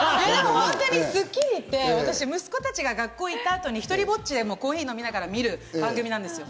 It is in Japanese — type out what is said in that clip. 本当に『スッキリ』って息子たちが学校行った後に一人ぼっちでコーヒー飲みながら見る番組なんですよ。